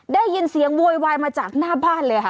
ได้ยินเสียงโวยวายมาจากหน้าบ้านเลยค่ะ